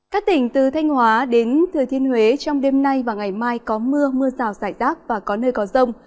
các tỉnh từ thanh hóa đến thừa thiên huế trong đêm nay và ngày mai có mưa mưa rào rải rác và có nơi có rông